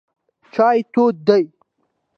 چای تود دی.